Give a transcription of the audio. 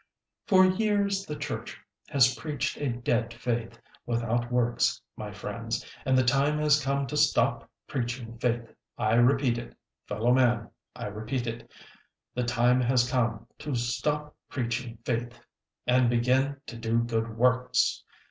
"For years the church has preached a dead faith, without works, my friends, and the time has come to stop preaching faith! I repeat it fellow men. I repeat it. The time has come to stop preaching faith and begin to do good works!"